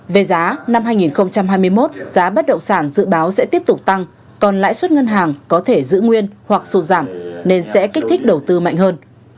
về giá năm hai nghìn hai mươi một giá bất động sản dự báo sẽ tiếp tục tăng còn lãi suất ngân hàng có thể giữ nguyên hoặc sụt giảm nên sẽ kích thích đầu tư mạnh hơn